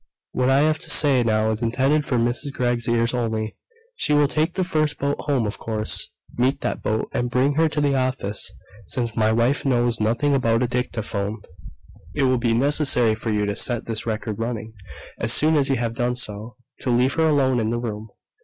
"What I have to say now is intended for Mrs. Gregg's ears only. She will take the first boat home, of course. Meet that boat and bring her to the office. Since my wife knows nothing about a dictaphone, it will be necessary for you to set this record running. As soon as you have done so, leave her alone in the room.